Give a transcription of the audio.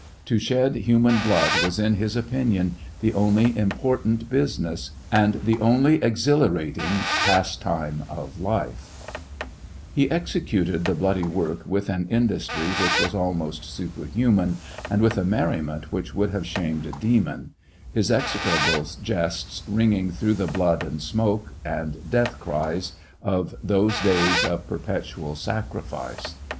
To shed human blood was in his opinion the pnljf importaut husiuess, aud the only exhilarating pastime of life. 774 TEIAL OF HENRY WIEZ. He oxeciited the bloody work with an industry which was almost superhuman, and with a merriment which would have shamed a demon ; his ■ execrable jests ringing through the blood and smoke and death cries of those days of perpetual sacrifice.